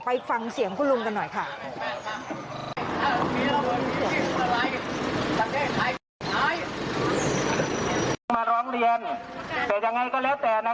ไปว่าแล้วก็มาสายเขาส่งน้ำน้ำนั้นเขามาสาย